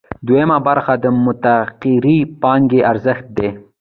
دویمه برخه د متغیرې پانګې ارزښت دی